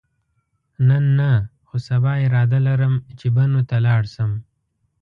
نن نه، خو سبا اراده لرم چې بنو ته لاړ شم.